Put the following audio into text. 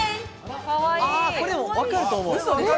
これわかると思う。